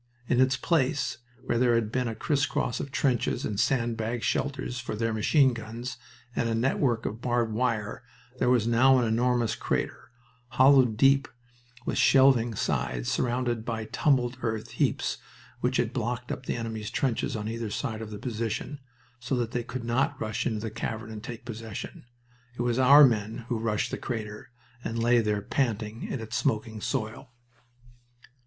In its place, where there had been a crisscross of trenches and sand bag shelters for their machine guns and a network of barbed wire, there was now an enormous crater, hollowed deep with shelving sides surrounded by tumbled earth heaps which had blocked up the enemy's trenches on either side of the position, so that they could not rush into the cavern and take possession. It was our men who "rushed" the crater and lay there panting in its smoking soil.